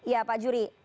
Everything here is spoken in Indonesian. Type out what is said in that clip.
ya pak juri